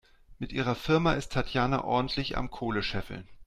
Mit ihrer Firma ist Tatjana ordentlich am Kohle scheffeln.